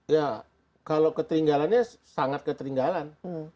ya kalau ketinggalannya sangat ketinggalan